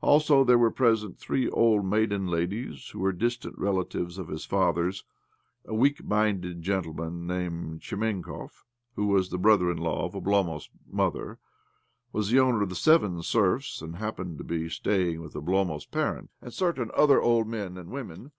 Also there were present three old maiden ladies who were distant relatives of his father's ; a weak minded gentleman named Chekmenev, who, the brother in law of Oblomov's mother, was the owner of seven serfs, and happened 90 OBLOMOV to be staying with Oblomov's parents ; and certain other old men and women.